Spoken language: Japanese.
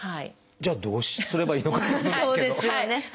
じゃあどうすればいいのかっていうことですけど。